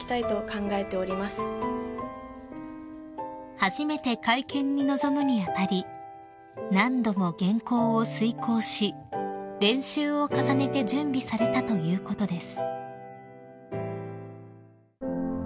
［初めて会見に臨むに当たり何度も原稿を推敲し練習を重ねて準備されたということです］